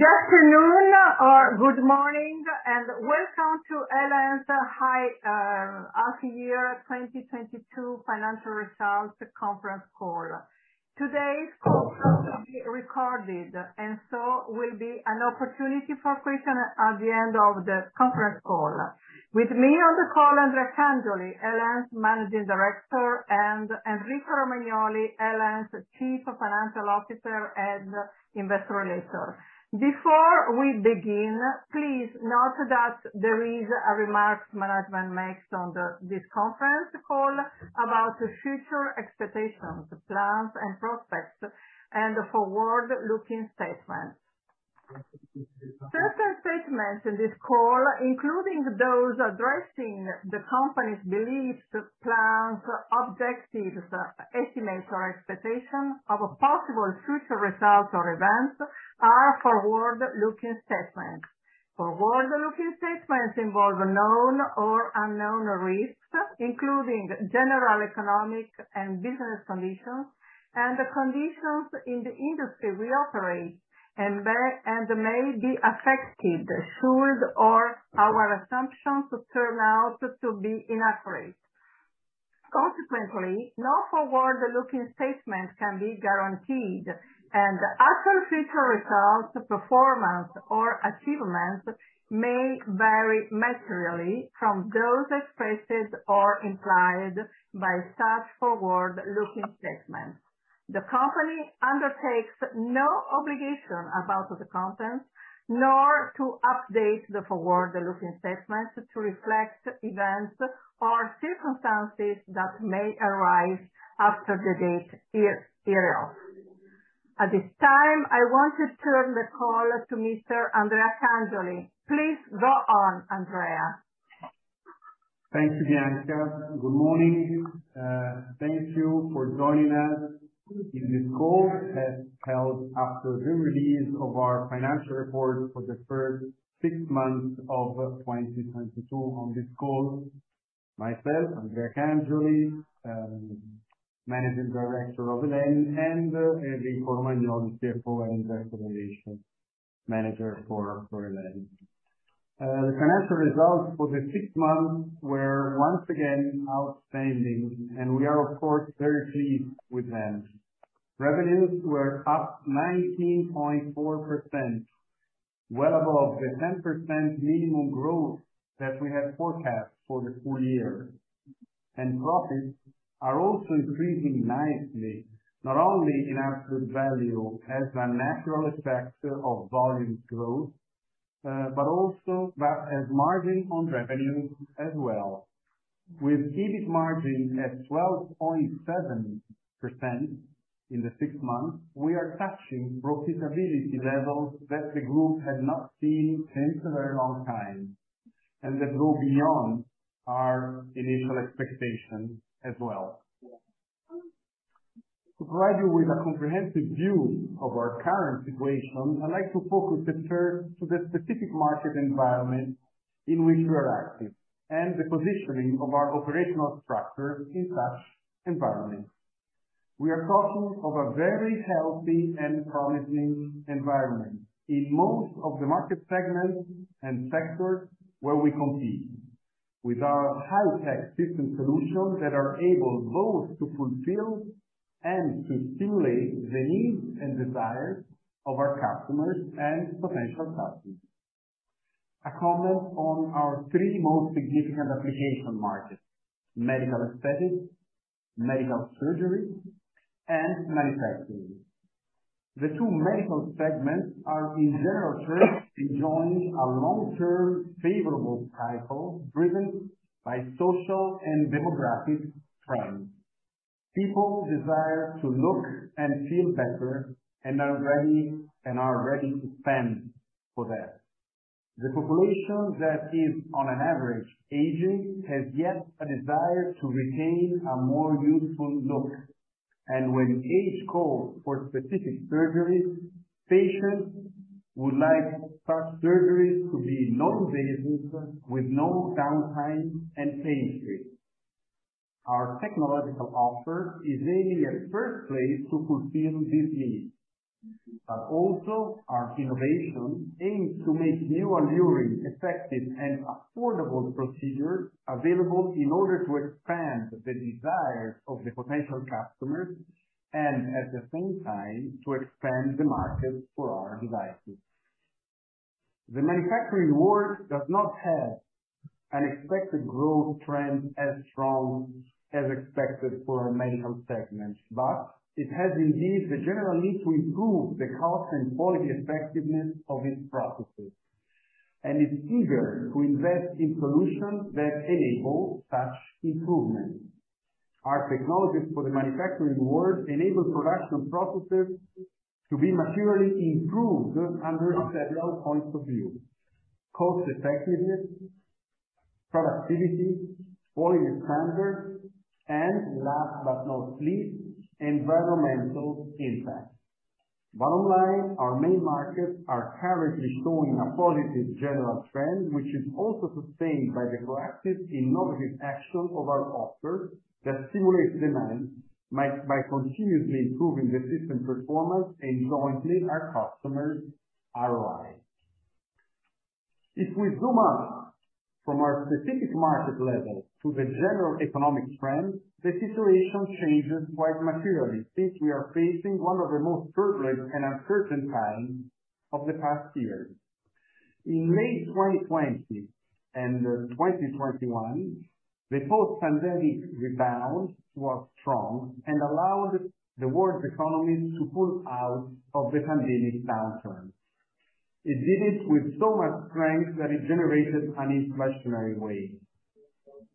Good afternoon or good morning, and welcome to El.En.'s first half-year 2022 financial results conference call. Today's call will be recorded, and there will be an opportunity for questions at the end of the conference call. With me on the call, Andrea Cangioli, El.En.'s Managing Director, and Enrico Romagnoli, El.En.'s Chief Financial Officer and Investor Relations. Before we begin, please note that management makes remarks on this conference call about the future expectations, plans and prospects and forward-looking statements. Certain statements in this call, including those addressing the company's beliefs, plans, objectives, estimates or expectations of possible future results or events, are forward-looking statements. Forward-looking statements involve known or unknown risks, including general economic and business conditions and the conditions in the industry we operate and may be affected should our assumptions turn out to be inaccurate. Consequently, no forward-looking statements can be guaranteed, and actual future results, performance or achievements may vary materially from those expressed or implied by such forward-looking statements. The company undertakes no obligation about the content, nor to update the forward-looking statements to reflect events or circumstances that may arise after the date hereof. At this time, I want to turn the call to Mr. Andrea Cangioli. Please go on, Andrea. Thanks, Bianca. Good morning. Thank you for joining us in this call, held after the release of our financial report for the first six months of 2022. On this call, myself, Andrea Cangioli, Managing Director of El.En., and Enrico Romagnoli, CFO and Investor Relations Manager for El.En. The financial results for the first six months were once again outstanding, and we are of course very pleased with them. Revenues were up 19.4%, well above the 10% minimum growth that we had forecast for the full year. Profits are also increasing nicely, not only in absolute value as a natural effect of volume growth, but also as margin on revenue as well. With EBIT margin at 12.7% in the sixth month, we are touching profitability levels that the group had not seen in a very long time, and that go beyond our initial expectation as well. To provide you with a comprehensive view of our current situation, I'd like to focus at first to the specific market environment in which we are active and the positioning of our operational structure in such environment. We are talking of a very healthy and promising environment in most of the market segments and sectors where we compete with our high-tech system solutions that are able both to fulfill and to stimulate the needs and desires of our customers and potential customers. A comment on our three most significant application markets, medical aesthetics, medical surgery, and manufacturing. The two medical segments are in general enjoying a long term favorable cycle driven by social and demographic trends. People desire to look and feel better and are ready to spend for that. The population that is on an average aging, has yet a desire to retain a more youthful look. When age calls for specific surgeries, patients would like such surgeries to be non-invasive with no downtime and pain-free. Our technological offer is aiming at first place to fulfill this need. But also our innovation aims to make new and alluring, effective and affordable procedures available in order to expand the desires of the potential customers and at the same time to expand the market for our devices. The manufacturing world does not have an expected growth trend as strong as expected for our medical segments. It has indeed the general need to improve the cost and quality effectiveness of its processes, and is eager to invest in solutions that enable such improvements. Our technologies for the manufacturing world enable production processes to be materially improved under several points of view, cost effectiveness, productivity, quality standards, and last but not least, environmental impact. Bottom line, our main markets are currently showing a positive general trend, which is also sustained by the proactive innovative action of our offer that stimulates demand by continuously improving the system performance and jointly our customers ROI. If we zoom out from our specific market level to the general economic trend, the situation changes quite materially since we are facing one of the most turbulent and uncertain times of the past years. In May 2020 and 2021, the post-pandemic rebound was strong and allowed the world's economies to pull out of the pandemic downturn. It did it with so much strength that it generated an inflationary wave.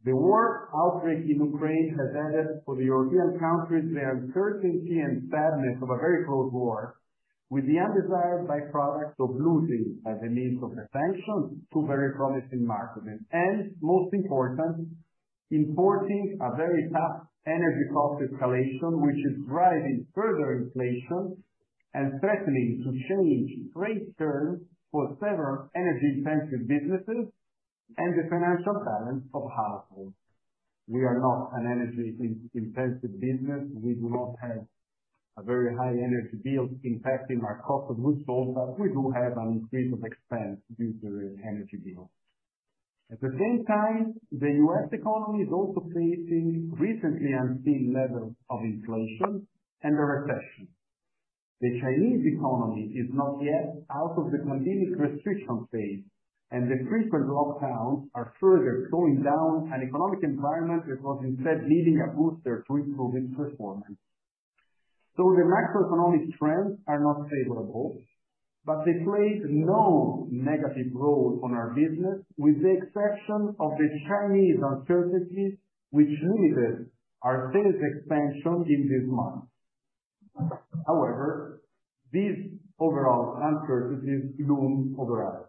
The war outbreak in Ukraine has added for the European countries, the uncertainty and sadness of a very close war with the undesired byproducts of losing access to very promising markets, and most important, importing a very tough energy cost escalation, which is driving further inflation and threatening to change trade terms for several energy-intensive businesses and the financial balance of households. We are not an energy-intensive business. We do not have a very high energy bill impacting our cost of goods sold, but we do have an increase in expenses due to the energy bill. At the same time, the U.S. economy is also facing recently unseen levels of inflation and a recession. The Chinese economy is not yet out of the pandemic restriction phase, and the frequent lockdowns are further slowing down an economic environment that was instead needing a booster to improve its performance. The macroeconomic trends are not favorable, but they played no negative role on our business, with the exception of the Chinese uncertainty which limited our sales expansion in these months. However, these overall uncertainties loom over us.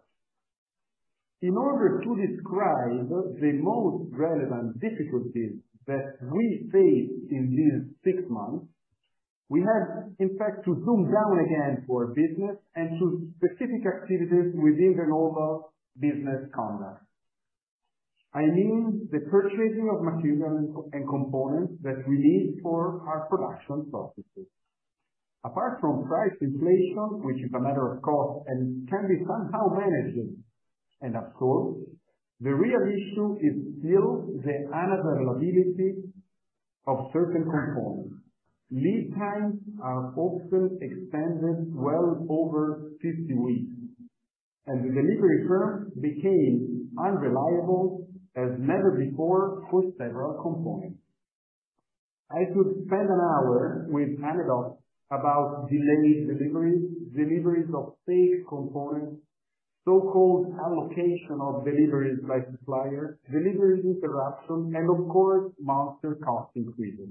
In order to describe the most relevant difficulties that we faced in these six months, we have in fact to zoom down again for business and to specific activities within the normal business conduct. I mean, the purchasing of material and components that we need for our production purposes. Apart from price inflation, which is a matter of cost and can be somehow managed, and of course, the real issue is still the unavailability of certain components. Lead times are often extended well over 50 weeks, and the delivery terms became unreliable as never before for several components. I could spend an hour with anecdotes about delayed deliveries of fake components, so-called allocation of deliveries by suppliers, delivery interruptions, and of course, material cost increases.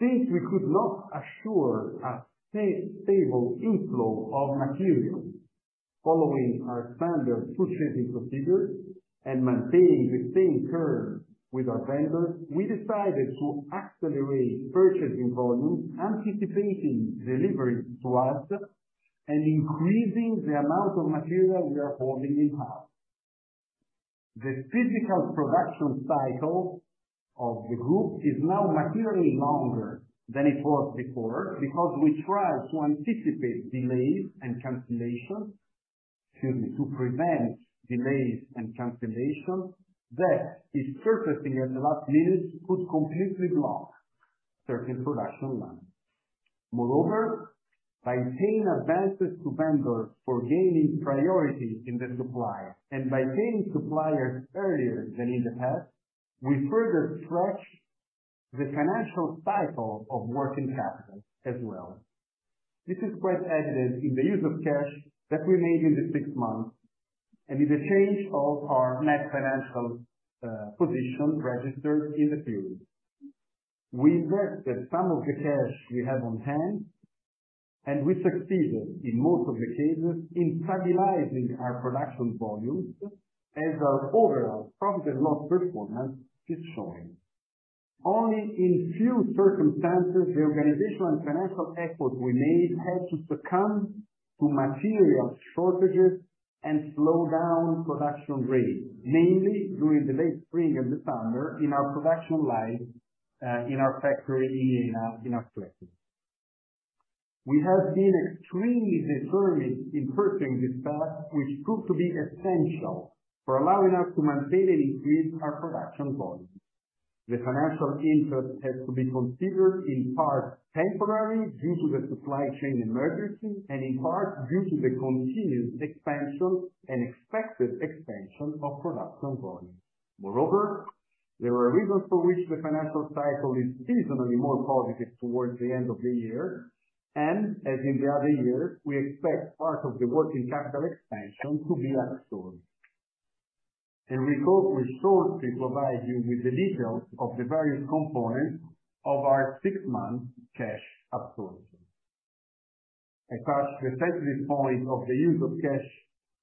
Since we could not assure a stable inflow of materials following our standard purchasing procedures and maintain the same terms with our vendors, we decided to accelerate purchasing volumes, anticipating deliveries to us, and increasing the amount of material we are holding in-house. The physical production cycle of the group is now materially longer than it was before because we try to anticipate delays and cancellations. Excuse me, to prevent delays and cancellations that, if surfacing at the last minute, could completely block certain production lines. Moreover, by paying advances to vendors for gaining priority in the supply and by paying suppliers earlier than in the past, we further stretch the financial cycle of working capital as well. This is quite evident in the use of cash that we made in the six months, and with the change of our net financial position registered in the period. We invest some of the cash we have on hand, and we succeeded in most of the cases in stabilizing our production volumes as our overall profit and loss performance is showing. Only in few circumstances, the organizational and financial effort we made had to succumb to material shortages and slow down production rate, mainly during the late spring and the summer in our production line, in our factory in Calenzano. We have been extremely determined in pursuing this path, which proved to be essential for allowing us to maintain and increase our production volumes. The financial interest has to be considered in part temporary, due to the supply chain emergency, and in part due to the continuous expansion and expected expansion of production volume. Moreover, there are reasons for which the financial cycle is seasonally more positive towards the end of the year, and as in the other years, we expect part of the working capital expansion to be absorbed. We thought we should provide you with the details of the various components of our six-month cash absorption. At first, the sensitive point of the use of cash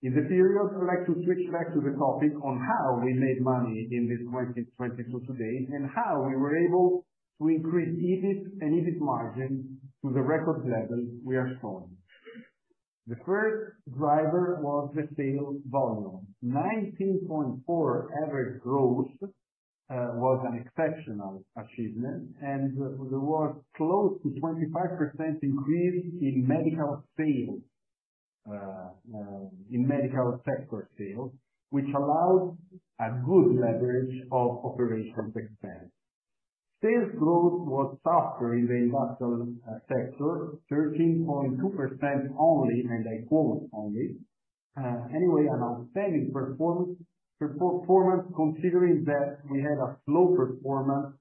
in the period, I would like to switch back to the topic on how we made money in this 2020 to today, and how we were able to increase EBIT and EBIT margin to the record level we are showing. The first driver was the sales volume. 19.4% average growth was an exceptional achievement, and there was close to 25% increase in medical sales in medical sector sales, which allowed a good leverage of operational expense. Sales growth was softer in the industrial sector, 13.2% only, and I quote, "only". Anyway, an outstanding performance considering that we had a slow performance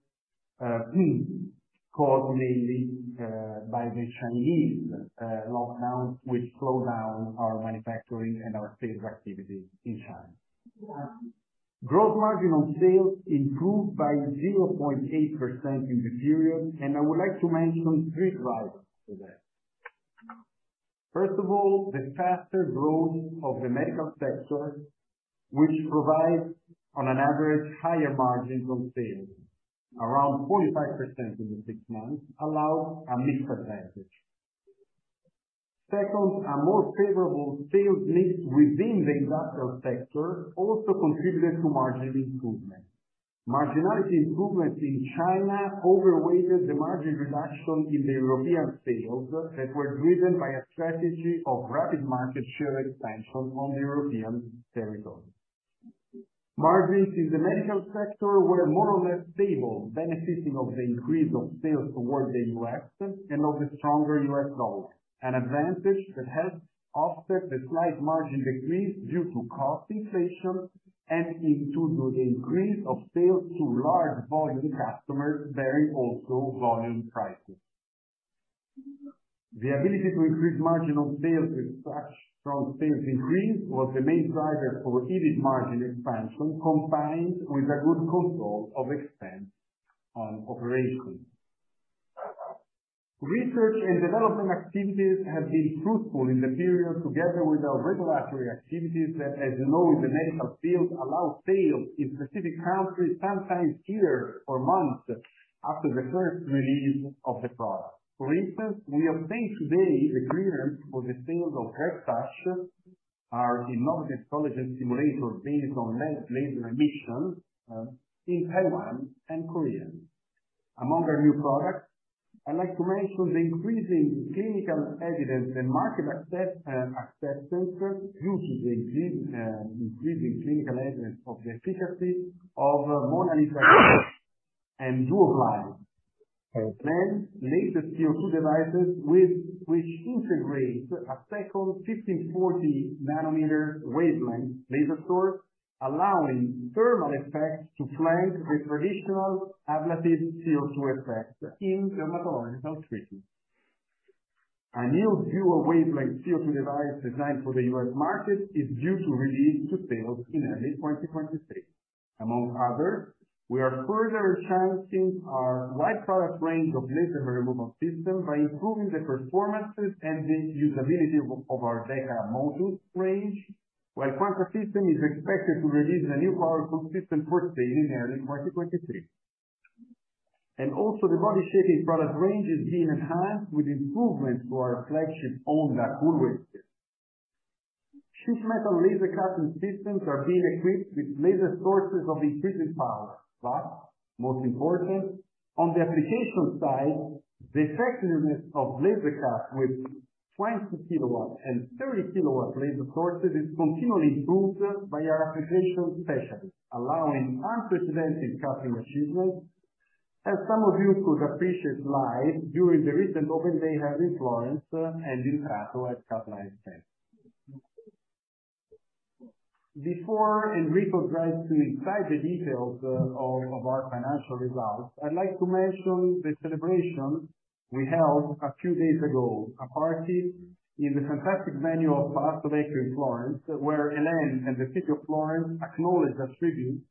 caused mainly by the Chinese lockdowns which slowed down our manufacturing and our sales activity in China. Gross margin on sales improved by 0.8% in the period, and I would like to mention three drivers for that. First of all, the faster growth of the medical sector, which provides on average higher margins on sales, around 45% in the six months, allow a mixed advantage. Second, a more favorable sales mix within the industrial sector also contributed to margin improvement. Marginality improvements in China outweighed the margin reduction in the European sales that were driven by a strategy of rapid market share expansion on the European territory. Margins in the medical sector were more or less stable, benefiting from the increase of sales towards the U.S. and of the stronger U.S. dollar. An advantage that helped offset the slight margin decrease due to cost inflation and the increase of sales to large volume customers bearing also volume prices. The ability to increase margin on sales with such strong sales increase was the main driver for EBIT margin expansion, combined with a good control of expense on operations. Research and development activities have been fruitful in the period together with our regulatory activities that, as you know, in the medical field, allow sales in specific countries, sometimes years or months after the first release of the product. For instance, we obtained today the clearance for the sales of RedTouch, our innovative collagen stimulator based on laser emissions in Taiwan and Korea. Among our new products, I'd like to mention the increasing clinical evidence and market acceptance due to the increasing clinical evidence of the efficacy of MonaLisa Touch and DuoGlide. Our latest CO2 devices, which integrate a second 1540 nanometer wavelength laser source, allowing thermal effects to flank the traditional ablative CO2 effect in vaginal health treatment. Our new dual wavelength CO2 device designed for the U.S. market is due to release to sales in early 2023. Among others, we are further enhancing our wide product range of laser hair removal systems by improving the performances and the usability of our DEKA Motus range, while Quanta System is expected to release a new powerful system for sale in early 2023. The body shaping product range is being enhanced with improvements to our flagship Onda Coolwaves system. Sheet metal laser cutting systems are being equipped with laser sources of increasing power, but most important, on the application side, the effectiveness of laser cut with 20 kW and 30 kW laser sources is continually improved by our application specialists, allowing unprecedented cutting achievements. Some of you could appreciate live during the recent open day here in Florence and in Prato at Cutlite Penta. Before Enrico dives into the details of our financial results, I'd like to mention the celebration we held a few days ago, a party in the fantastic venue of Calenzano in Florence, where El.En. and the City of Florence acknowledged a tribute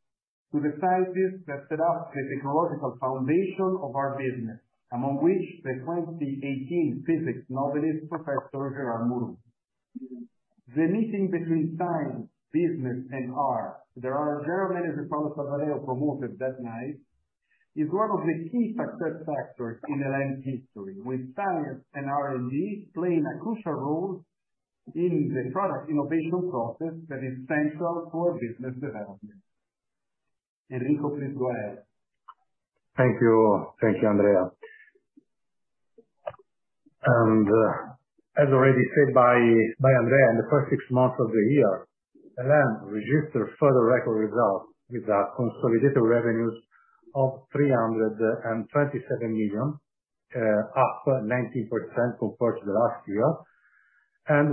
to the scientists that set up the technological foundation of our business, among which the 2018 Physics Nobelist, Professor Gérard Mourou. The meeting between science, business and art, there are very few promoted that night, is one of the key success factors in EL.En.'s history, with science and R&D playing a crucial role in the product innovation process that is central for business development. Enrico, please go ahead. Thank you. Thank you, Andrea. As already said by Andrea, in the first six months of the year, El.En. registered further record results with our consolidated revenues of 327 million, up 19% compared to the last year.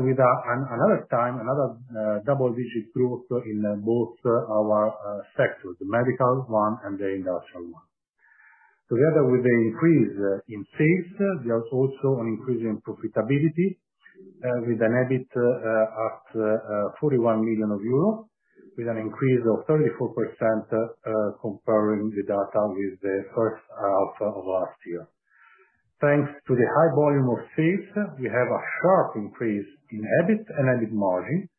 With another time, another double-digit growth in both our sectors, the medical one and the industrial one. Together with the increase in sales, there's also an increase in profitability, with an EBIT at 41 million euro, with an increase of 34%, comparing the data with the first half of last year. Thanks to the high volume of sales, we have a sharp increase in EBIT and EBIT margin,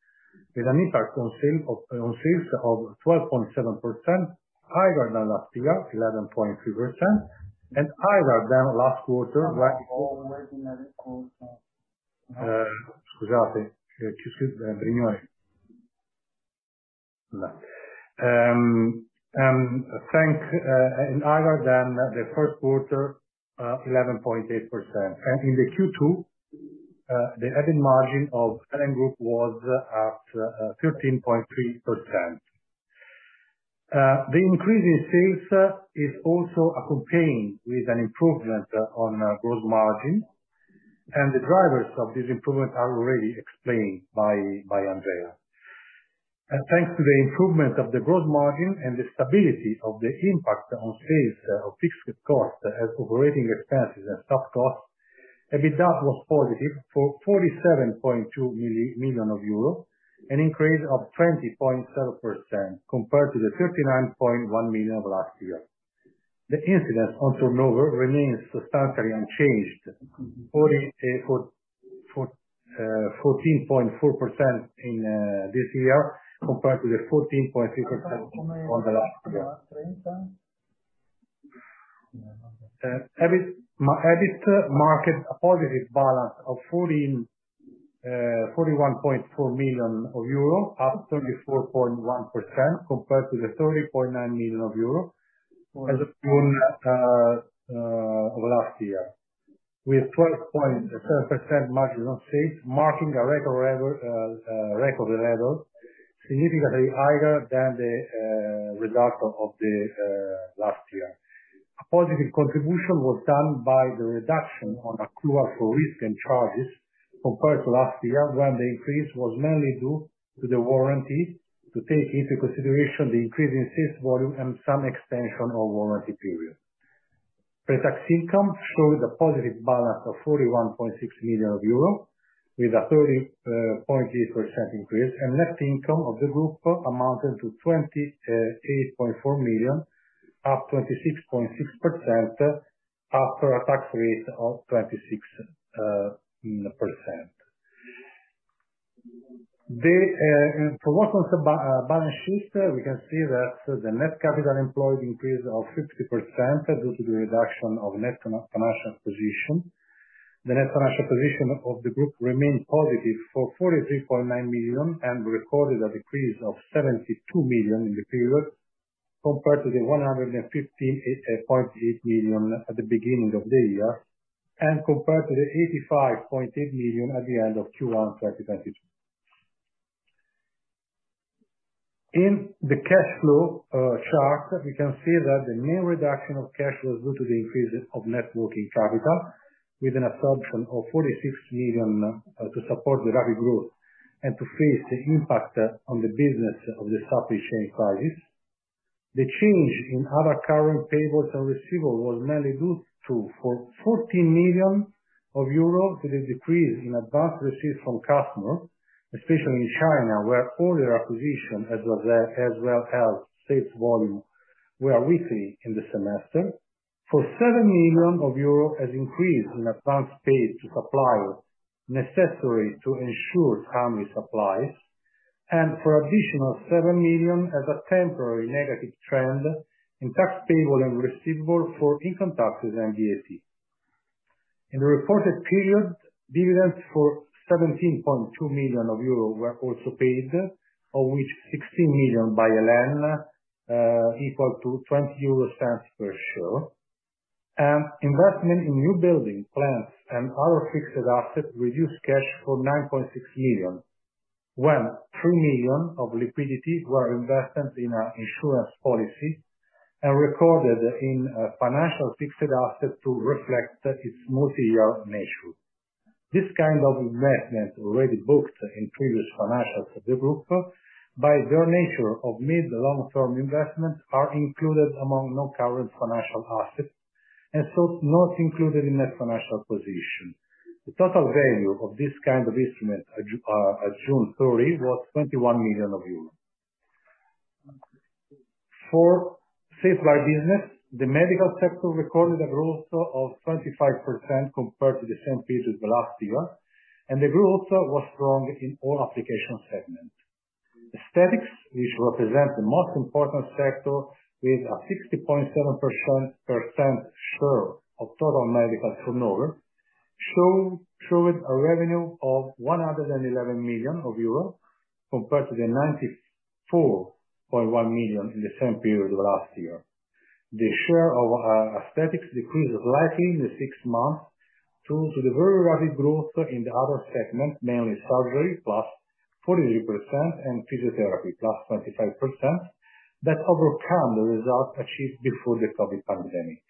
with an impact on sales of 12.7% higher than last year, 11.3%, and higher than last quarter, and higher than the first quarter, 11.8%. In the Q2, the EBIT margin of El.En. Group was at 13.3%. The increase in sales is also accompanied with an improvement on gross margin, and the drivers of this improvement are already explained by Andrea. Thanks to the improvement of the gross margin and the stability of the impact on sales of fixed costs, as operating expenses and staff costs, EBITDA was positive for 47.2 million euro, an increase of 20.7% compared to the 39.1 million of last year. The incidence on turnover remains substantially unchanged, 14.4% in this year compared to the 14.3% on the last year. EBIT marked a positive balance of 41.4 million euro, up 34.1% compared to the 30.9 million euro as of last year, with 12.7% margin of sales marking a record level significantly higher than the result of the last year. A positive contribution was done by the reduction on accruals for risk and charges compared to last year, when the increase was mainly due to the warranty to take into consideration the increase in sales volume and some extension of warranty period. Pre-tax income showed a positive balance of 41.6 million euro with a 30.0% increase, and net income of the group amounted to 28.4 million, up 26.6% after a tax rate of 26%. For what concerns the balance sheet, we can see that the net capital employed increase of 50% due to the reduction of net financial position. The net financial position of the group remained positive for 43.9 million, and we recorded a decrease of 72 million in the period compared to the 115.8 million at the beginning of the year and compared to the 85.8 million at the end of Q1 2022. In the cash flow chart, we can see that the main reduction of cash was due to the increase of net working capital with an absorption of 46 million to support the rapid growth and to face the impact on the business of the supply chain crisis. The change in other current payables and receivables was mainly due to 14 million euros to the decrease in advance received from customers, especially in China, where acquisitions as well as sales volume were weaker in the semester. For 7 million euro an increase in advance paid to suppliers necessary to ensure timely supplies, and for an additional 7 million as a temporary negative trend in tax payable and receivable for income taxes and VAT. In the reported period, dividends for 17.2 million euro were also paid, of which 16 million by EL.En., equal to 0.20 per share. Investment in new buildings, plants and other fixed assets reduced cash for 9.6 million, when 3 million of liquidity were invested in an insurance policy and recorded in financial fixed assets to reflect its multi-year nature. This kind of investment already booked in previous financials of the group by their nature of mid, long-term investments, are included among non-current financial assets and so not included in net financial position. The total value of this kind of instrument, as June 30, was 21 million euros. For laser business, the medical sector recorded a growth of 25% compared to the same period of last year, and the growth was strong in all application segments. Aesthetics, which represent the most important sector with a 60.7% share of total medical turnover, showed a revenue of 111 million euro compared to the 94.1 million in the same period of last year. The share of aesthetics decreased slightly in the six months due to the very rapid growth in the other segment, mainly Surgery, +43% and Physiotherapy +25%, that overcome the results achieved before the COVID pandemic.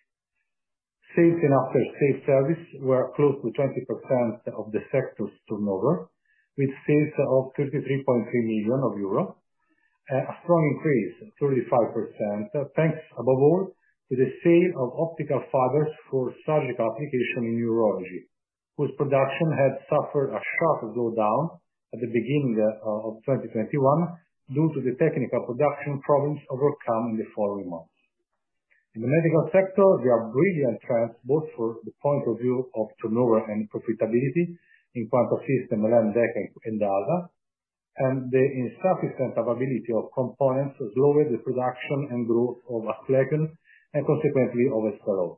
Sales and after sales service were close to 20% of the sector's turnover, with sales of 33.3 million euro. A strong increase of 35%, thanks above all to the sale of optical fibers for surgical application in urology. Whose production had suffered a sharp slowdown at the beginning of 2021, due to the technical production problems overcome in the following months. In the medical sector, there are brilliant trends, both from the point of view of turnover and profitability in DEKA and Quanta and other, and the insufficient availability of components lowered the production and growth of Asclepion and consequently of El.En.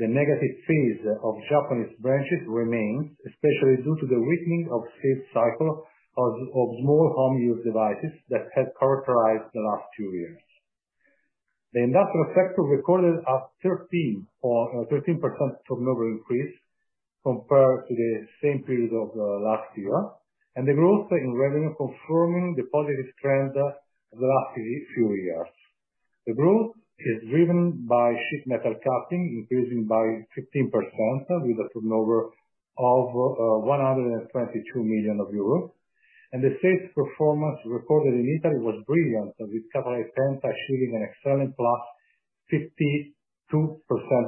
The negative phase of Japanese branches remains, especially due to the weakening of sales cycle of small home use devices that had characterized the last few years. The industrial sector recorded a 13% turnover increase compared to the same period of last year. The growth in revenue confirming the positive trend of the last few years. The growth is driven by sheet metal cutting, increasing by 15% with a turnover of 122 million euros, and the sales performance recorded in Italy was brilliant, with capital expense achieving an excellent +52%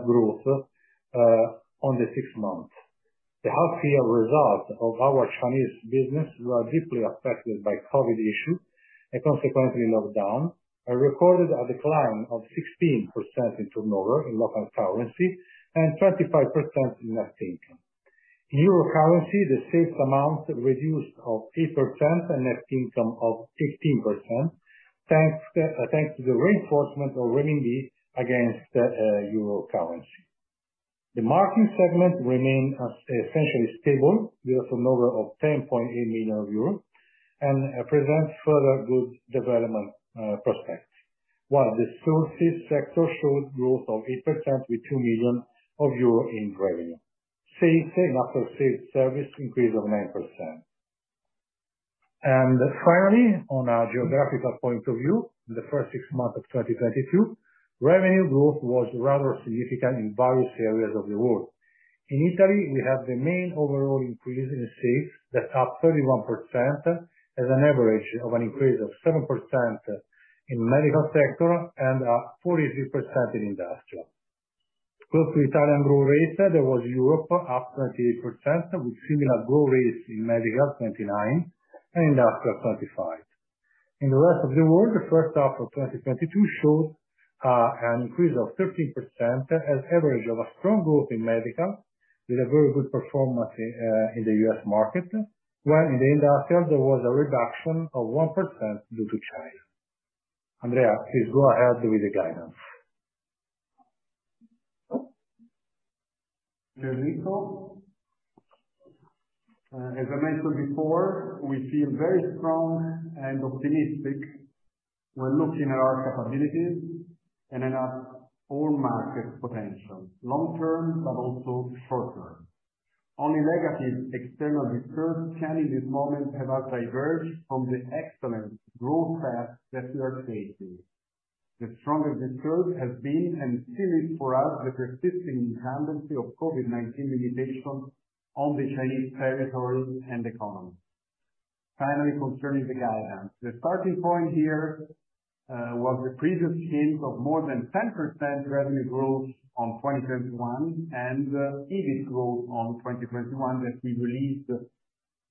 growth over the six months. The half year results of our Chinese business were deeply affected by COVID-19 issue, and consequently lockdown, and recorded a decline of 16% in turnover in local currency and 25% in net income. In euro currency, the sales amount reduced by 3% and net income of 16%. Thanks to the reinforcement of renminbi against euro currency. The marking segment remained essentially stable with a turnover of 10.8 million euros and presents further good development prospects. While the sources sector showed growth of 8% with 2 million euro in revenue. Same thing after sales service increased of 9%. Finally, on a geographical point of view, the first six months of 2022, revenue growth was rather significant in various areas of the world. In Italy, we have the main overall increase in sales that up 31% as an average of an increase of 7% in medical sector and 43% in industrial. Close to Italian growth rate, there was Europe up 28%, with similar growth rates in medical 29% and industrial 25%. In the rest of the world, the first half of 2022 shows an increase of 13% as average of a strong growth in medical, with a very good performance in the U.S. market, while in the industrial there was a reduction of 1% due to China. Andrea, please go ahead with the guidance. Thank you, Enrico. As I mentioned before, we feel very strong and optimistic when looking at our capabilities and at our overall market potential, long term but also short term. Only negative external disturbance can in this moment have us diverge from the excellent growth path that we are facing. The strongest disturbance has been and still is for us, the persisting tendency of COVID-19 limitations on the Chinese territories and economy. Finally, concerning the guidance, the starting point here was the previous hint of more than 10% revenue growth on 2021 and EBIT growth on 2021 that we released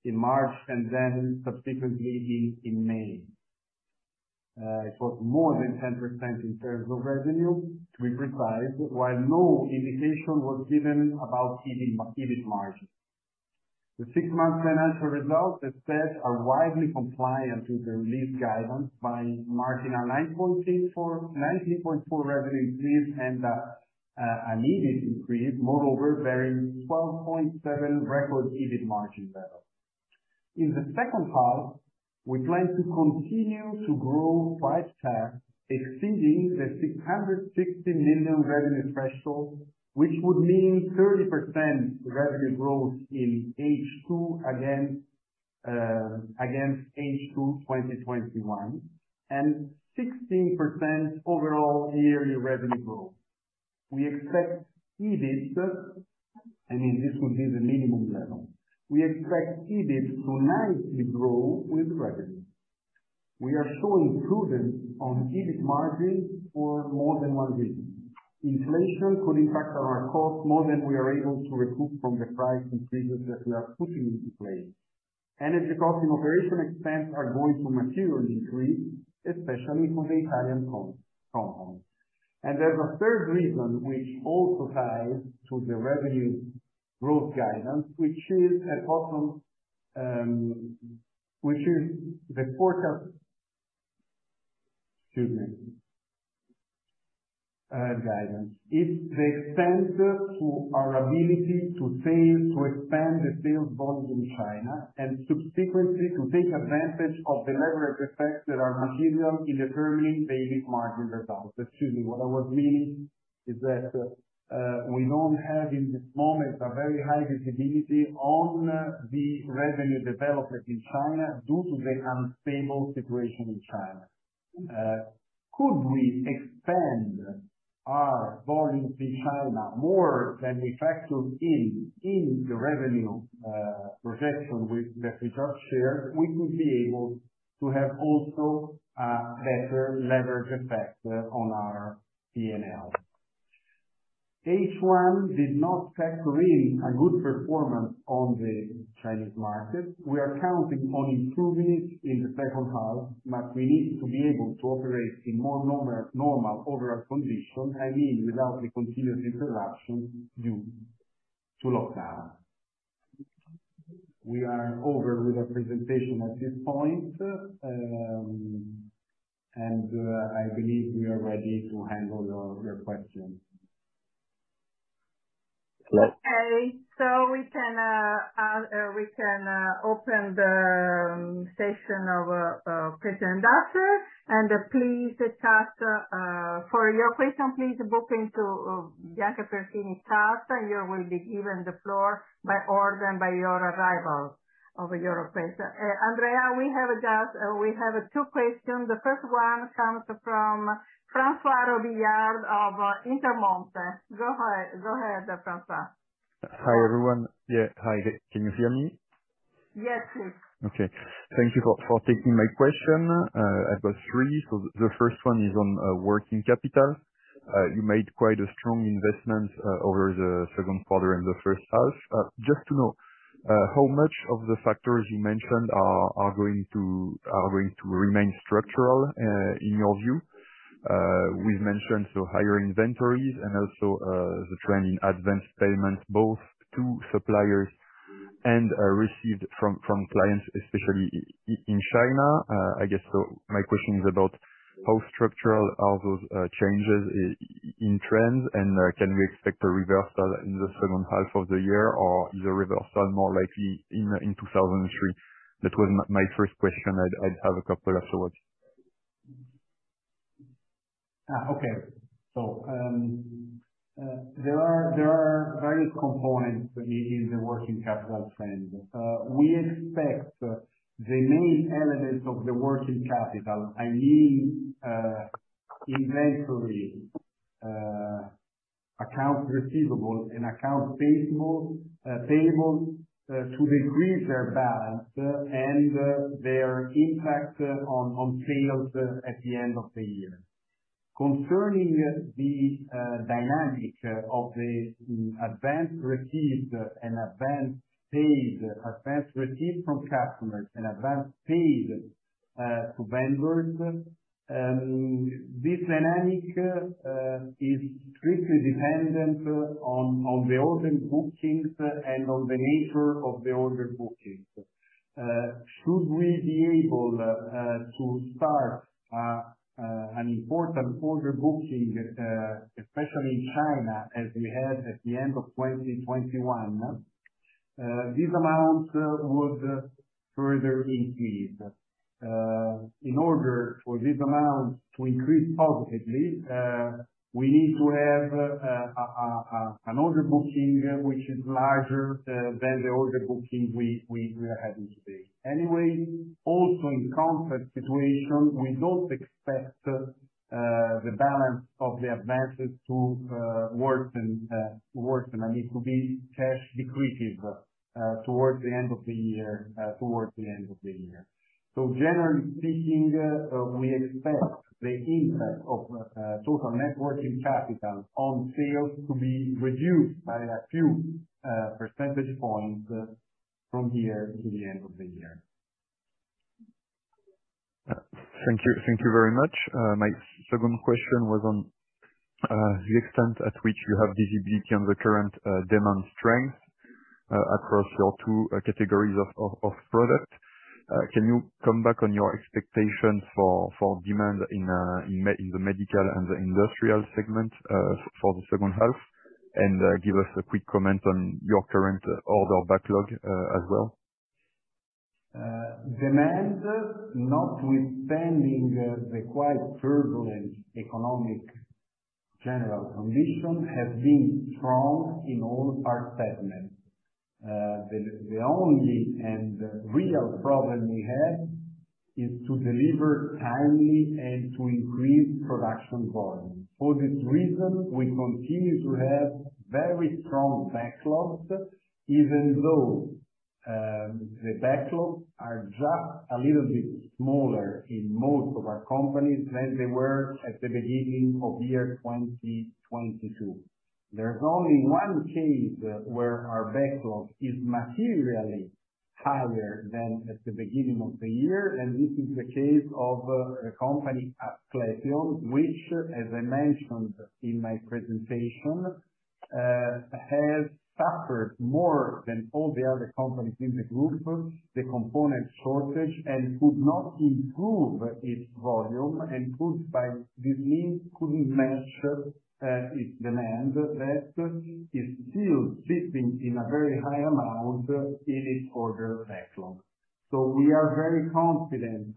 in March and then subsequently in May. It was more than 10% in terms of revenue, we specified, while no indication was given about EBIT margin. The six-month financial results instead are widely compliant with the released guidance by marking a 90.4% revenue increase and a an EBIT increase, moreover bearing 12.7% record EBIT margin level. In the second half, we plan to continue to grow five times, exceeding the 660 million revenue threshold, which would mean 30% revenue growth in H2 against against H2 2021, and 16% overall yearly revenue growth. We expect EBIT, and this will be the minimum level. We expect EBIT to nicely grow with revenue. We are so improving on EBIT margin for more than one reason. Inflation could impact our costs more than we are able to recoup from the price increases that we are pushing into place. Energy costs and operation expense are going to materially increase, especially from the Italian companies. There's a third reason which also ties to the revenue growth guidance. It's the extent to our ability to sell to expand the sales volume in China and subsequently to take advantage of the leverage effects that are material in determining EBIT margin results. What I was meaning is that, we don't have in this moment a very high visibility on the revenue development in China, due to the unstable situation in China. Could we expand our volumes in China more than we factored in the revenue projection that we just shared, we will be able to have also better leverage effect on our P&L. H1 did not factor in a good performance on the Chinese market. We are counting on improvements in the second half, but we need to be able to operate in more normal overall conditions, i.e., without the continuous interruptions due to lockdown. We are over with our presentation at this point, and I believe we are ready to handle your questions. Okay. We can open the session of question answer. Please attach for your question, please book into, and you will be given the floor by order and by your arrival. Andrea, we have just two questions. The first one comes from François Robillard of Intermonte. Go ahead, Francois. Hi, everyone. Yeah. Hi. Can you hear me? Yes, please. Okay. Thank you for taking my question. I've got three. The first one is on working capital. You made quite a strong investment over the second quarter and the first half. Just to know how much of the factors you mentioned are going to remain structural in your view? We've mentioned so higher inventories and also the trend in advanced payments, both to suppliers and received from clients, especially in China. I guess so my question is about how structural are those changes in trends and can we expect a reversal in the second half of the year? Or is a reversal more likely in 2003? That was my first question. I have a couple afterwards. There are various components in the working capital trend. We expect the main elements of the working capital, i.e., inventory, accounts receivable and accounts payable to decrease their balance and their impact on sales at the end of the year. Concerning the dynamic of the advances received and advances paid, advances received from customers and advances paid to vendors, this dynamic is strictly dependent on the order bookings and on the nature of the order bookings. Should we be able to start an important order booking, especially in China, as we had at the end of 2021, this amount would further increase. In order for this amount to increase positively, we need to have an order booking which is larger than the order booking we have had today. Anyway, also in the contract situation, we don't expect the balance of the advances to worsen. I mean, to be cash decreative towards the end of the year. Generally speaking, we expect the impact of total net working capital on sales to be reduced by a few percentage points from here to the end of the year. Thank you. Thank you very much. My second question was on the extent at which you have visibility on the current demand strength across your two categories of product. Can you come back on your expectations for demand in the medical and the industrial segment for the second half? Give us a quick comment on your current order backlog as well. Demand, notwithstanding the quite turbulent economic general condition, has been strong in all our segments. The only and real problem we have is to deliver timely and to increase production volume. For this reason, we continue to have very strong backlogs, even though the backlogs are just a little bit smaller in most of our companies than they were at the beginning of year 2022. There's only one case where our backlog is materially higher than at the beginning of the year, and this is the case of a company Asclepion, which, as I mentioned in my presentation, has suffered more than all the other companies in the group, the component shortage, and could not improve its volume and this means couldn't match its demand that is still sitting in a very high amount in its order backlog. We are very confident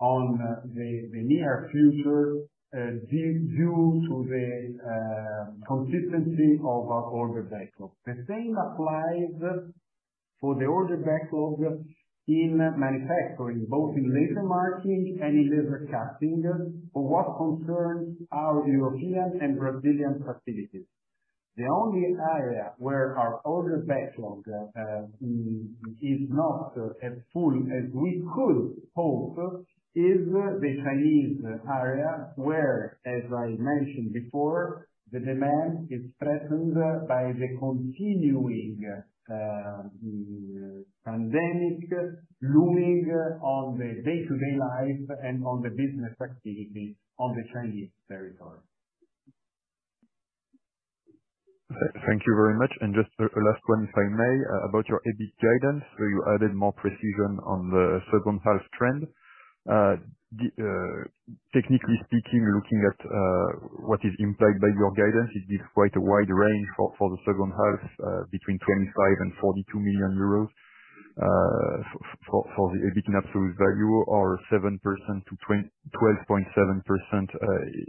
on the near future due to the consistency of our order backlog. The same applies for the order backlog in manufacturing, both in laser marking and in laser cutting for what concerns our European and Brazilian facilities. The only area where our order backlog is not as full as we could hope is the Chinese area, where, as I mentioned before, the demand is threatened by the continuing pandemic looming on the day-to-day life and on the business activity on the Chinese territory. Thank you very much. Just a last one, if I may, about your EBIT guidance. You added more precision on the second half trend. Technically speaking, looking at what is implied by your guidance, it is quite a wide range for the second half, between 25 million and 42 million euros for the EBIT in absolute value, or 7%-12.7%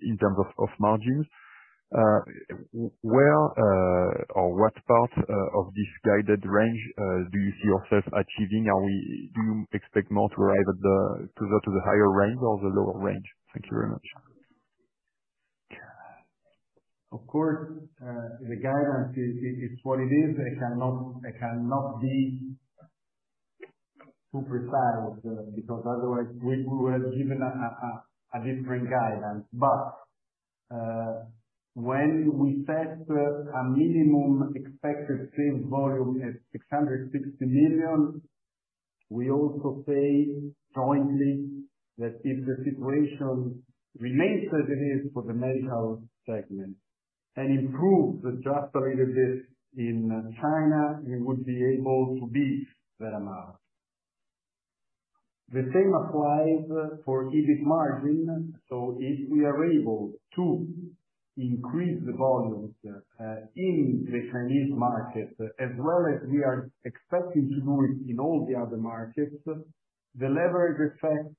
in terms of margins. Where, or what part, of this guided range do you see yourself achieving? Do you expect more to arrive at the higher range or the lower range? Thank you very much. Of course, the guidance is what it is. It cannot be too precise, because otherwise we would have given a different guidance. When we set a minimum expected sales volume at 660 million, we also say jointly that if the situation remains as it is for the medical segment and improves just a little bit in China, we would be able to beat that amount. The same applies for EBIT margin. If we are able to increase the volumes in the Chinese market as well as we are expecting to do it in all the other markets, the leverage effect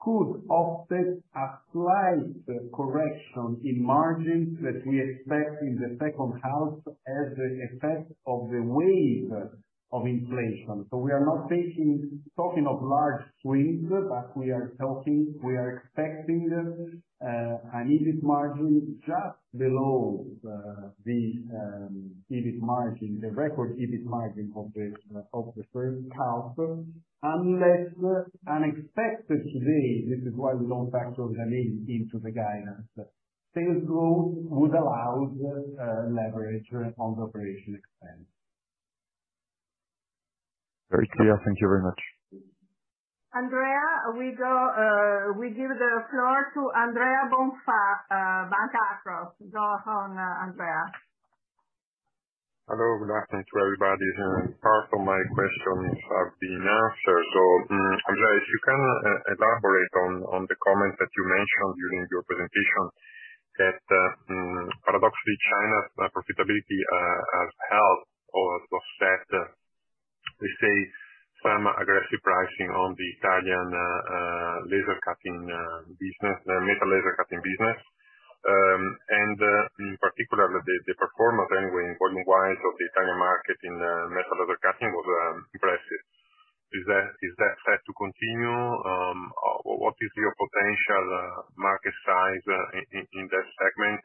could offset a slight correction in margins that we expect in the second half as the effect of the wave of inflation. We are not talking of large swings, but we are talking, we are expecting an EBIT margin just below the EBIT margin, the record EBIT margin of the first half, unless unexpected wave. This is why we don't factor them into the guidance. Sales growth would allow leverage on the operating expense. Very clear. Thank you very much. Andrea, we give the floor to Andrea Bonfà, Banca Akros. Go on, Andrea. Hello, good afternoon to everybody. Part of my questions have been answered. Andrea, if you can elaborate on the comment that you mentioned during your presentation that paradoxically, China's profitability has helped or offset, let's say, some aggressive pricing on the Italian laser cutting business, metal laser cutting business. In particular, the performance anyway, volume-wise, of the Italian market in metal laser cutting was impressive. Is that set to continue? What is your potential market size in that segment?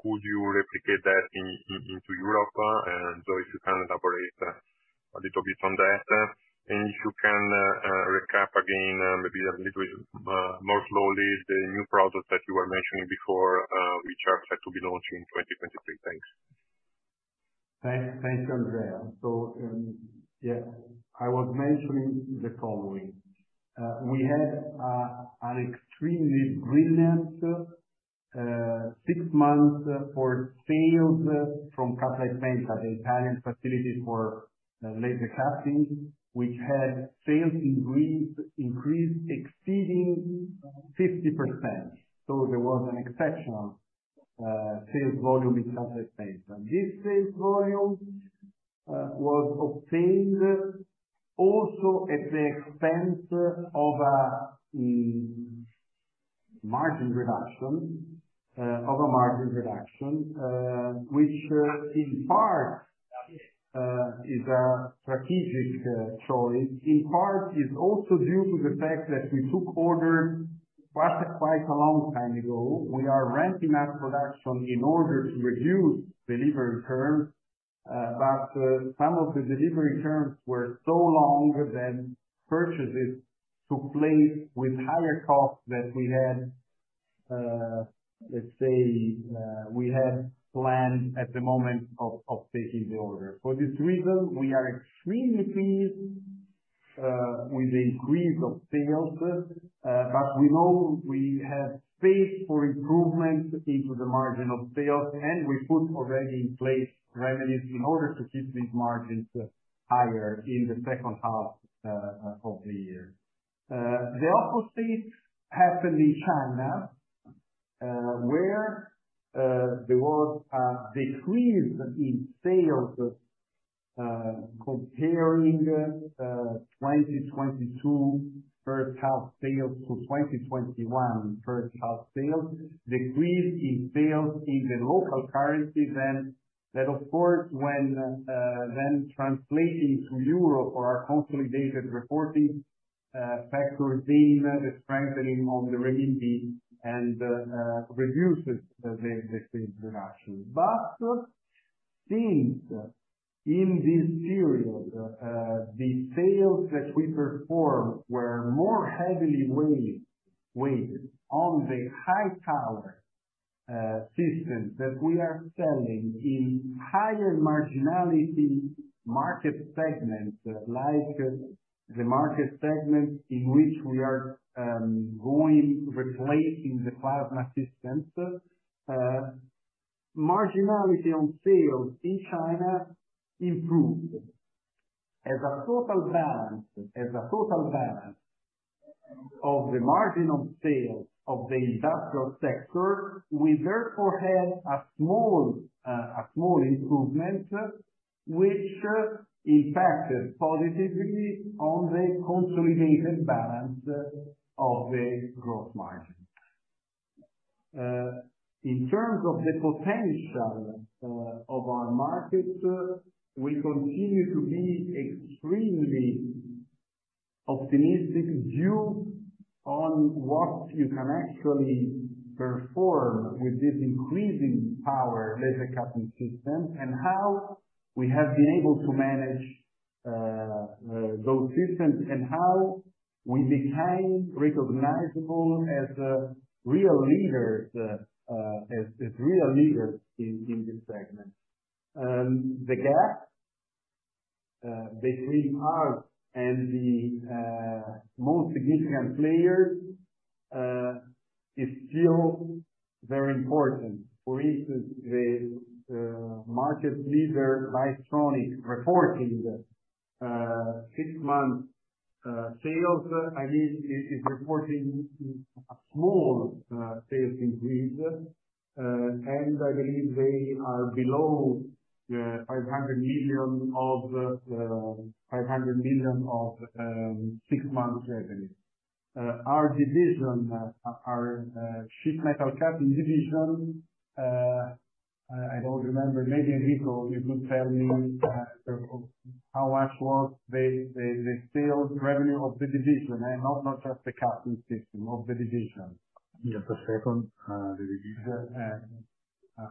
Could you replicate that into Europe? If you can elaborate a little bit on that. If you can, recap again, maybe a little bit, more slowly the new products that you were mentioning before, which are set to be launched in 2023. Thanks. Thanks. Thanks, Andrea. Yeah, I was mentioning the following. We had an extremely brilliant six months for sales. The opposite happened in China, where there was a decrease in sales comparing 2022 first half sales to 2021 first half sales. Decrease in sales in the local currency then. That of course, when translating to euro for our consolidated reporting. Factor being the strengthening of the renminbi and reduces the sales reduction. Since in this period, the sales that we performed were more heavily weighted on the high power systems that we are selling in higher marginality market segments, like the market segment in which we are replacing the plasma systems, marginality on sales in China improved. As a total balance of the margin of sales of the industrial sector, we therefore have a small improvement which impacted positively on the consolidated balance of the growth margin. In terms of the potential of our markets, we continue to be extremely optimistic due to what you can actually perform with this increasing power laser cutting system, and how we have been able to manage those systems, and how we became recognizable as real leaders in this segment. The gap between us and the most significant players is still very important. For instance, the market leader, Bystronic, reporting six months sales, I believe it is reporting a small sales increase. I believe they are below EUR 500 million of six months revenue. Our sheet metal cutting division, I don't remember. Maybe, Enrico, you could tell me how much was the sales revenue of the division and not just the cutting system, of the division. Yeah. The second the division.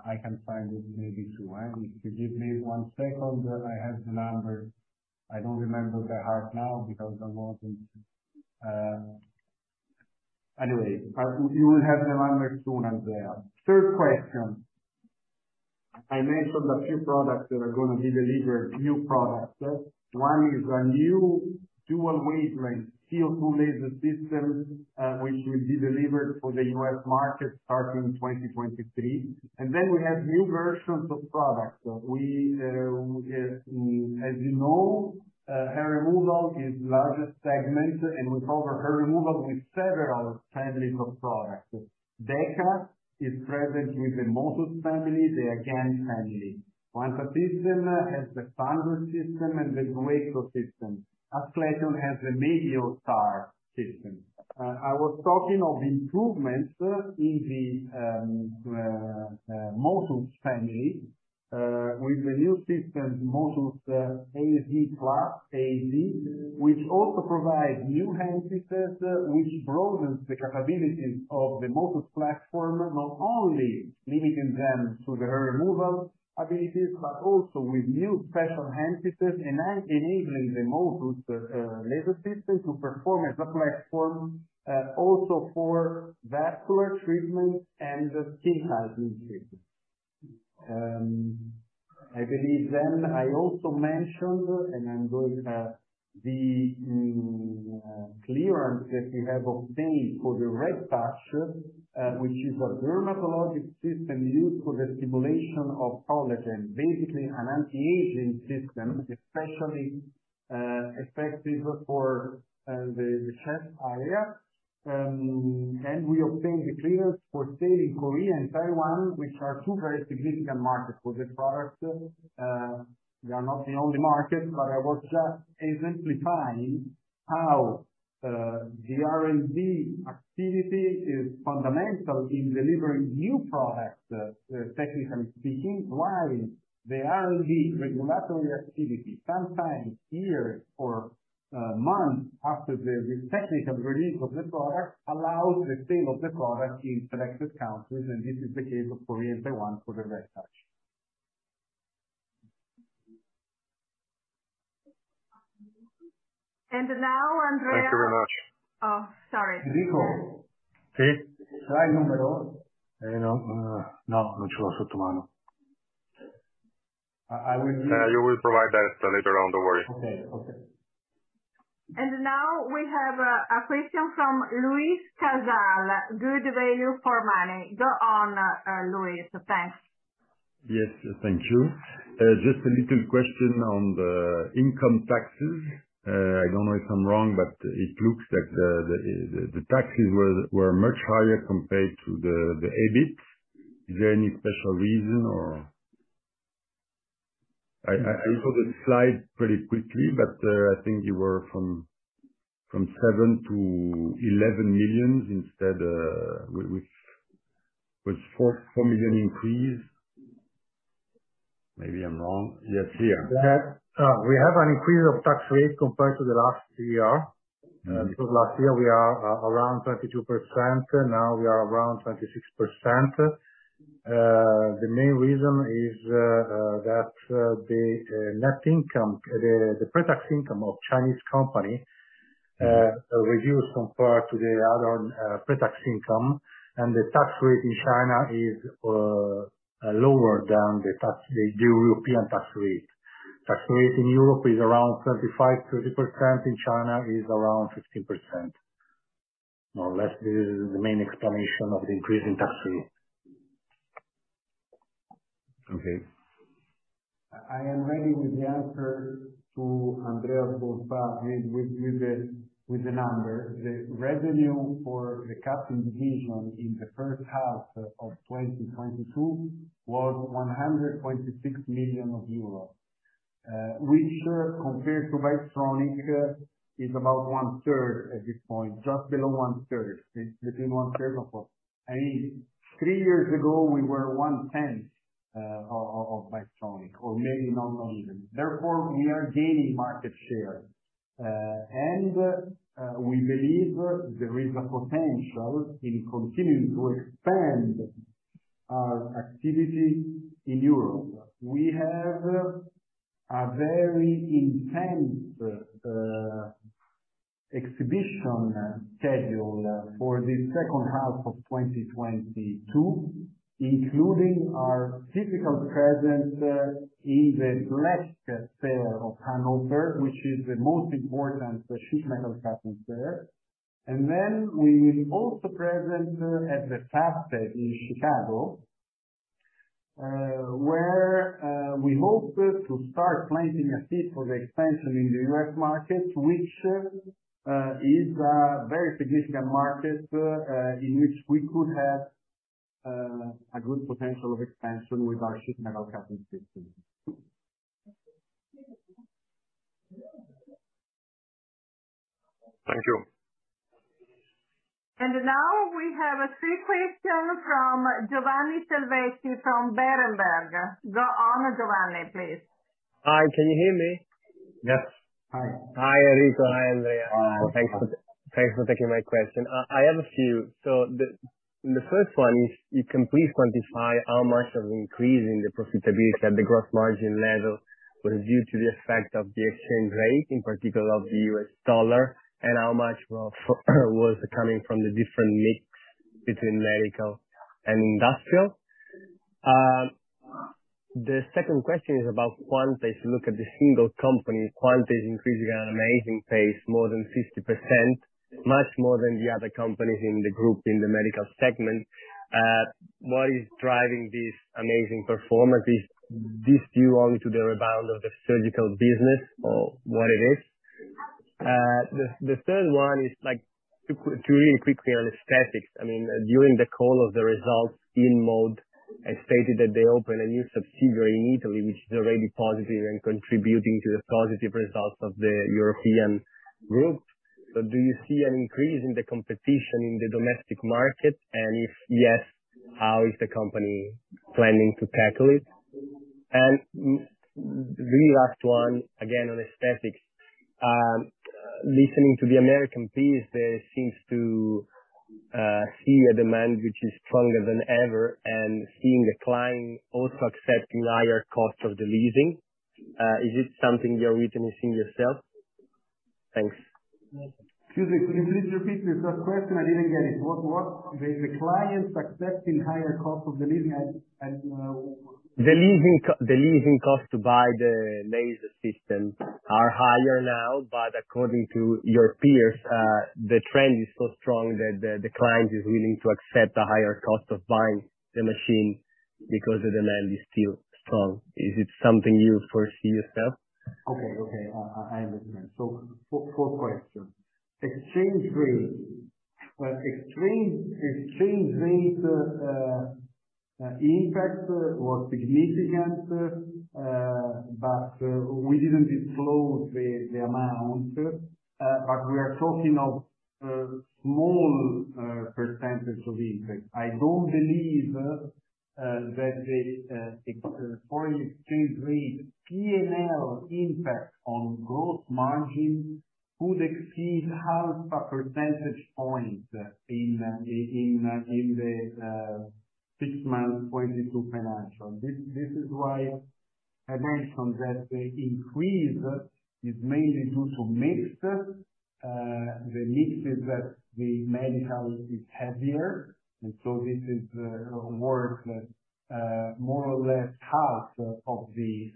I can find it maybe too. If you give me one second, I have the number. I don't remember by heart now because I wasn't. Anyway, we will have the numbers soon, Andrea. Third question. I mentioned a few products that are gonna be delivered, new products. One is a new dual wavelength CO2 laser system, which will be delivered for the U.S. market starting 2023. We have new versions of products. We, as you know, hair removal is largest segment, and we cover hair removal with several families of products. DEKA is present with the Motus family, the AGAIN family. Quanta System has the Thunder system and the Discovery Pico system. Asclepion has the MeDioStar system. I was talking of improvements in the Motus family, with the new system, Motus AZ platform, which also provides new hand pieces which broadens the capabilities of the Motus platform, not only limiting them to the hair removal abilities, but also with new special hand pieces enabling the Motus laser system to perform as a platform, also for vascular treatment and skin hardening treatment. I believe then I also mentioned the clearance that we have obtained for the RedTouch, which is a dermatologic system used for the stimulation of collagen. Basically an anti-aging system, especially effective for the chest area. We obtained the clearance for sale in Korea and Taiwan, which are two very significant markets for this product. They are not the only market, but I was just exemplifying how the R&D activity is fundamental in delivering new products, technically speaking, while the R&D regulatory activity, sometimes years or months after the technical release of the product, allows the sale of the product in selected countries, and this is the case of Korea and Taiwan for the RedTouch. Now, Andrea- Thank you very much. Oh, sorry. Enrico? Sì? You know, no, not too also tomorrow. You will provide that later on, don't worry. Okay. Okay. Now we have a question from Luis Casal, Good Value for Money. Go on, Luis. Thanks. Yes, thank you. Just a little question on the income taxes. I don't know if I'm wrong, but it looks like the taxes were much higher compared to the EBIT. Is there any special reason, or? I saw the slide pretty quickly, but I think you were from 7 million to 11 million instead, which was 4 million increase. Maybe I'm wrong. Yes, here. We have an increase of tax rate compared to last year. Last year we are around 22%, now we are around 26%. The main reason is that the pre-tax income of Chinese company reduced compared to the other pre-tax income, and the tax rate in China is lower than the European tax rate. Tax rate in Europe is around 35%, 30%. In China is around 15%. More or less, this is the main explanation of the increase in tax rate. Okay. I am ready with the answer to Andrea with the numbers. The revenue for the Quanta division in the first half of 2022 was 100.6 million euros. Which compared to Bystronic is about 1/3 at this point, just below 1/3. Between 1/3 and 1/4. I mean, three years ago, we were 1/10 of Bystronic or maybe not even. Therefore, we are gaining market share. We believe there is a potential in continuing to expand our activity in Europe. We have a very intense exhibition schedule for the second half of 2022, including our physical presence in the EuroBLECH fair of Hanover, which is the most important sheet metal cutting fair. We will also present at the FABTECH in Chicago, where we hope to start planting a seed for the expansion in the U.S. market, which is a very significant market, in which we could have a good potential of expansion with our sheet metal cutting system. Thank you. Now we have a free question from Giovanni Selvetti from Berenberg. Go on, Giovanni, please. Hi, can you hear me? Yes. Hi. Hi, Enrico. Hi, Andrea. Hi. Thanks for taking my question. I have a few. The first one is, can you please quantify how much of increase in the profitability at the gross margin level was due to the effect of the exchange rate, in particular of the U.S. dollar, and how much was coming from the different mix between medical and industrial? The second question is about Quanta. If you look at the single company, Quanta is increasing at an amazing pace, more than 60%, much more than the other companies in the group in the medical segment. What is driving this amazing performance? Is this due to the rebound of the surgical business or what it is? The third one is like to really quickly on aesthetics. I mean, during the call of the results, InMode had stated that they opened a new subsidiary in Italy, which is already positive and contributing to the positive results of the European group. Do you see an increase in the competition in the domestic market? If yes, how is the company planning to tackle it? The last one, again on aesthetics. Listening to the American piece, there seems to be a demand which is stronger than ever and seeing the client also accepting higher cost of the leasing. Is it something you're witnessing yourself? Thanks. Excuse me. Could you please repeat the first question? I didn't get it. What the clients accepting higher cost of the leasing and The leasing cost to buy the laser system are higher now, but according to your peers, the trend is so strong that the client is willing to accept a higher cost of buying the machine because the demand is still strong. Is it something you foresee yourself? I understand. Four questions. Exchange rate impact was significant, but we didn't disclose the amount, but we are talking of a small percentage of impact. I don't believe that the exchange rate P&L impact on gross margin would exceed half a percentage point in the six months 2022 financial. This is why I mentioned that the increase is mainly due to mix. The mix is that the medical is heavier, and so this is worth more or less half of the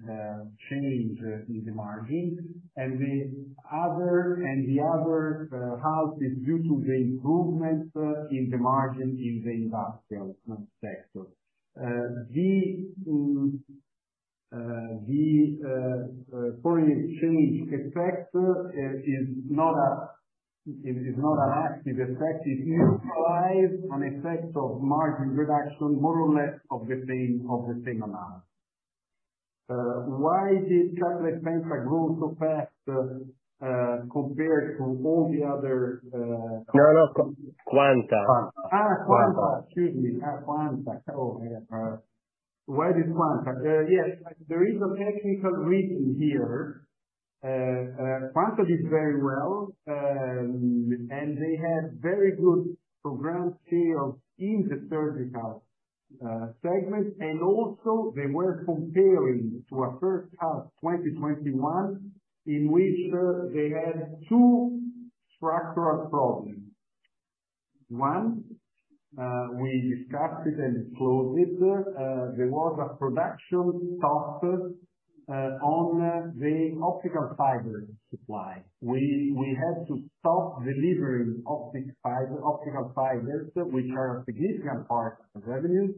change in the margin. The other half is due to the improvement in the margin in the industrial sector. The foreign exchange effect is not an active effect. It neutralizes an effect of margin reduction more or less of the same amount. Why did Quanta System grow so fast compared to all the other No, no. Quanta. Quanta System. Excuse me. Why did Quanta System? Yes, there is a technical reason here. Quanta System did very well, and they had very good progress sales in the surgical segment, and also they were comparing to a first half 2021, in which they had two structural problems. One, we discussed it and closed it. There was a production stop on the optical fiber supply. We had to stop delivering optical fibers, which are a significant part of revenues,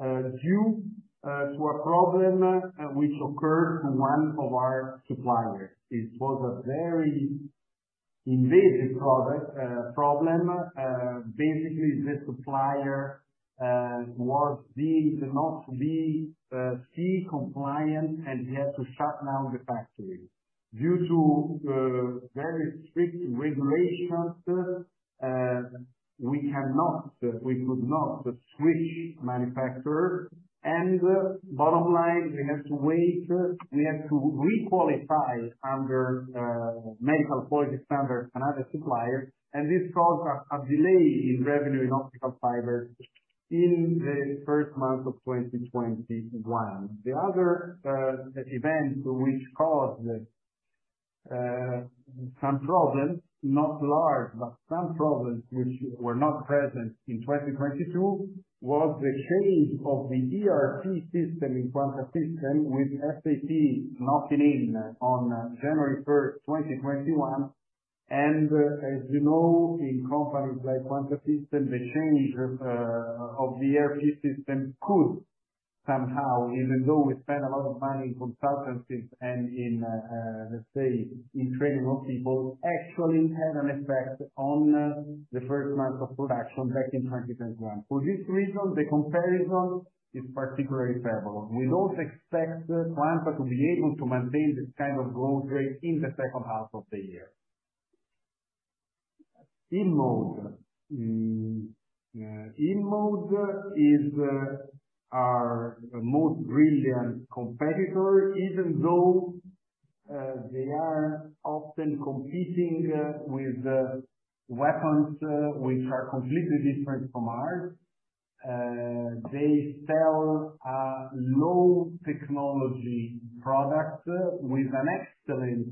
due to a problem which occurred to one of our suppliers. It was a very invasive product problem. Basically the supplier was not being CE compliant, and he had to shut down the factory. Due to very strict regulations, we could not switch manufacturer, and bottom line, we have to wait. We have to re-qualify under medical quality standard another supplier and this caused a delay in revenue in optical fiber in the first month of 2021. The other event which caused some problems, not large, but some problems which were not present in 2022, was the change of the ERP system in Quanta System with SAP knocking in on January first, 2021. As you know, in companies like Quanta System, the change of the ERP system could somehow, even though we spent a lot of money in consultancies and in, let's say in training of people, actually had an effect on the first month of production back in 2021. For this reason, the comparison is particularly favorable. We don't expect Quanta to be able to maintain this kind of growth rate in the second half of the year. InMode is our most brilliant competitor, even though they are often competing with weapons which are completely different from ours. They sell a low technology product with an excellent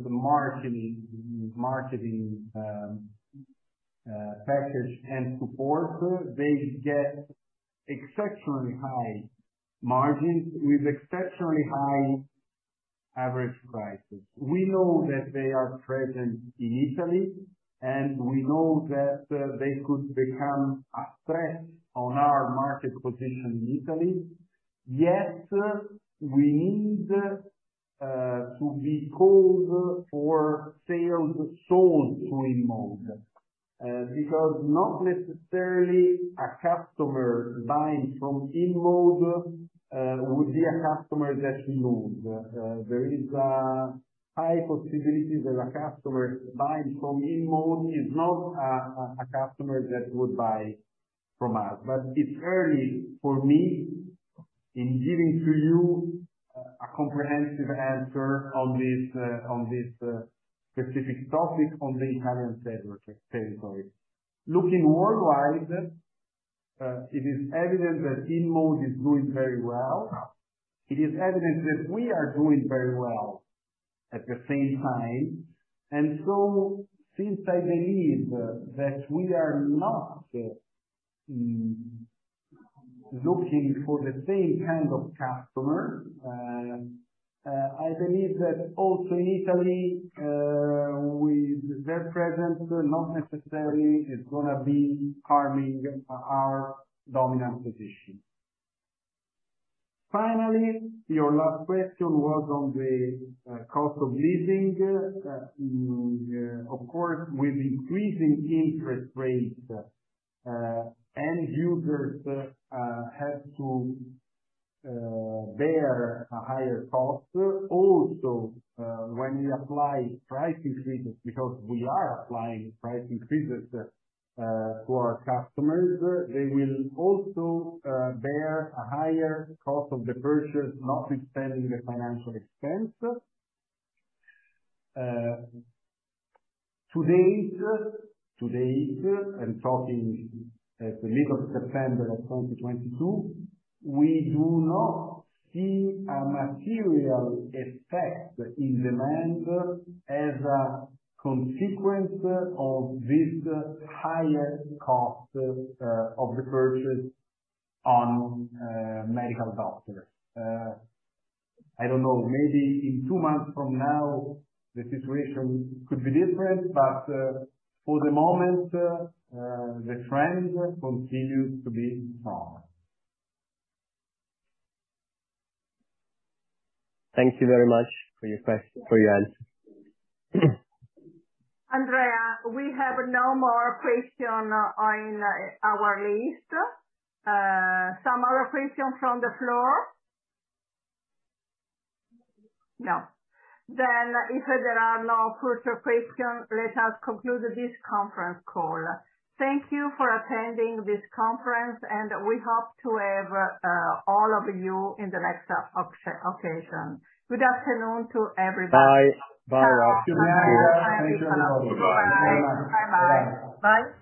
marketing package and support. They get exceptionally high margins with exceptionally high average prices. We know that they are present in Italy, and we know that they could become a threat to our market position in Italy, yet we need to be told for sales sold through InMode because not necessarily a customer buying from InMode would be a customer that we lose. There is a high possibility that a customer buying from InMode is not a customer that would buy from us. It's early for me in giving to you a comprehensive answer on this specific topic on the Italian territory. Looking worldwide, it is evident that InMode is doing very well. It is evident that we are doing very well at the same time, and since I believe that we are not looking for the same kind of customer, I believe that also in Italy with their presence, not necessarily it's gonna be harming our dominant position. Finally, your last question was on the cost of leasing. Of course, with increasing interest rates, end users have to bear a higher cost. Also, when we apply price increases, because we are applying price increases, to our customers, they will also bear a higher cost of the purchase, not extending the financial expense. Today, in the middle of September of 2022, we do not see a material effect in demand as a consequence of this higher cost of the purchase on medical doctors. I don't know, maybe in two months from now, the situation could be different, but for the moment, the trend continues to be strong. Thank you very much for your answer. Andrea, we have no more question on our list. Some other question from the floor? No. If there are no further question, let us conclude this conference call. Thank you for attending this conference, and we hope to have all of you in the next occasion. Good afternoon to everybody. Bye. Bye. Bye. Thank you. Bye. Bye bye. Bye.